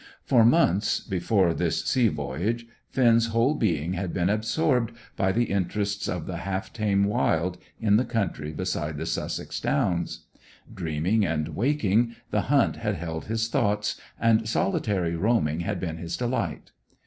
For months, before this sea voyage, Finn's whole being had been absorbed by the interests of the half tame wild, in the country beside the Sussex Downs. Dreaming and waking, the hunt had held his thoughts, and solitary roaming had been his delight.